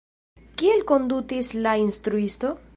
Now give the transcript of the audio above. Kiel kondutis la instruisto?